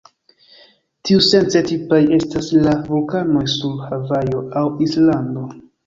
Tiusence tipaj estas la vulkanoj sur Havajo aŭ Islando.